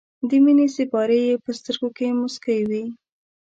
د مینې سېپارې یې په سترګو کې موسکۍ وې.